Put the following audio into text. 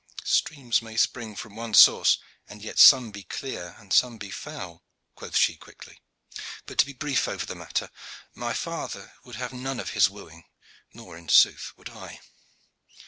"Streams may spring from one source, and yet some be clear and some be foul," quoth she quickly. "But, to be brief over the matter, my father would have none of his wooing, nor in sooth would I.